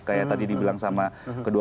kayak tadi dibilang sama kedua